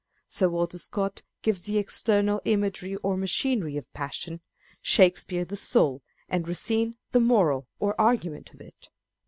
Sir Walter Scott gives the external imagery or machinery of passion ; Shakespeare the soul ; and Racine the moral or argument of it.